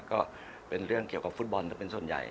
ก็เป็นเรื่องเกี่ยวกับฟุตบอลเป็นส่วนใหญ่